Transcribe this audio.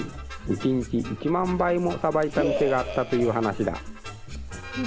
１日１万杯もさばいた店があったという話だ。